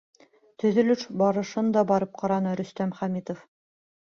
Төҙөлөш барышын да барып ҡараны Рөстәм Хәмитов.